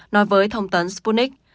nói với thông tấn sputnik